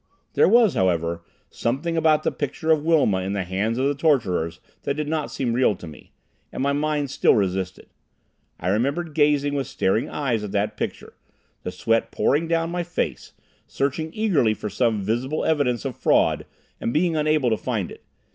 There was, however, something about the picture of Wilma in the hands of the torturers that did not seem real to me, and my mind still resisted. I remember gazing with staring eyes at that picture, the sweat pouring down my face, searching eagerly for some visible evidence of fraud and being unable to find it.